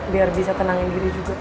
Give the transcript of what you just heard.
biar bisa tenangin diri juga